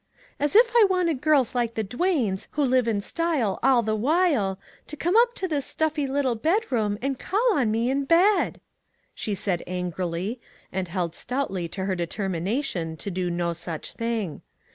" As if I wanted girls like the Duanes, who live in style all the while, to come up to this stuffy little bedroom, and call on me in bed !" she said angrily, and held stoutly to her de termination to do no such thing.